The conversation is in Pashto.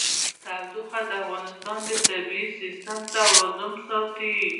تودوخه د افغانستان د طبعي سیسټم توازن ساتي.